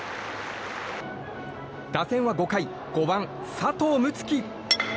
打線は５回、５番、佐藤夢樹。